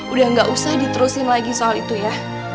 udah gak usah diterusin lagi soal itu ya